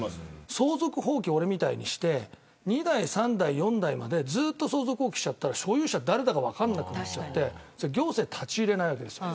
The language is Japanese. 相続放棄、俺みたいにして２代、３代、４代までずっと相続放棄したら所有者は誰だか分からなくて行政は立ち入れないわけです。